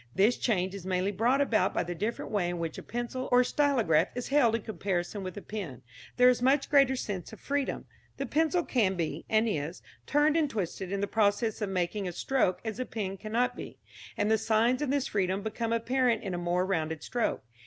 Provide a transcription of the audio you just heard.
This change is mainly brought about by the different way in which a pencil or stylograph is held in comparison with a pen. There is a much greater sense of freedom. The pencil can be, and is, turned and twisted in the process of making a stroke as a pen cannot be, and the signs of this freedom become apparent in a more rounded stroke.